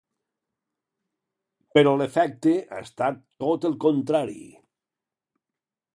Però l’efecte ha estat tot el contrari.